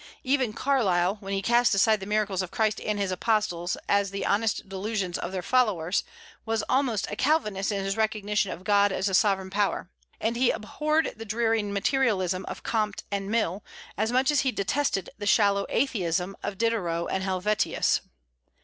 Even Carlyle, when he cast aside the miracles of Christ and his apostles as the honest delusions of their followers, was almost a Calvinist in his recognition of God as a sovereign power; and he abhorred the dreary materialism of Comte and Mill as much as he detested the shallow atheism of Diderot and Helvetius.